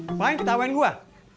ngapain ketawain gua